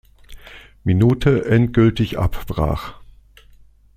Minute endgültig abbrach.